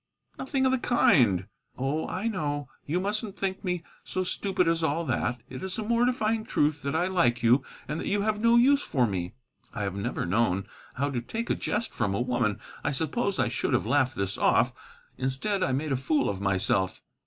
"Nothing of the kind." "Oh, I know. You mustn't think me so stupid as all that. It is a mortifying truth that I like you, and that you have no use for me." I have never known how to take a jest from a woman. I suppose I should have laughed this off. Instead, I made a fool of myself.